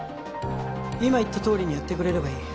今言ったとおりにやってくれればいい